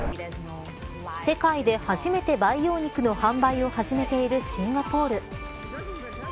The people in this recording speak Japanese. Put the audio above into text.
世界で初めて培養肉の販売を始めているシンガポール。